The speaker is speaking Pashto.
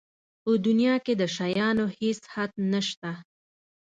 په دنیا کې د شیانو هېڅ حد نشته.